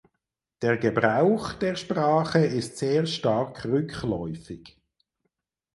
Der Gebrauch der Sprache ist sehr stark rückläufig.